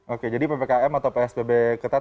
oke jadi ppkm atau psbb ketat